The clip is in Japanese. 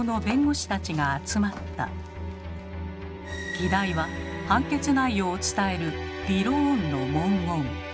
議題は判決内容を伝える「びろーん」の文言。